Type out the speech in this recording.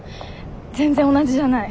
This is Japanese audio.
全然同じじゃない。